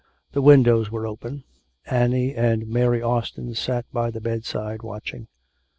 The windows were open; Annie and Mary Austin sat by the bedside watching.